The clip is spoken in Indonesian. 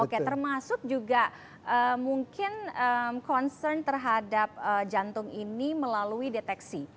oke termasuk juga mungkin concern terhadap jantung ini melalui deteksi